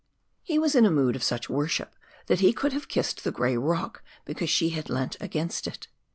He was in a mood of such worship that he could have kissed the grey rock because she had leant against it.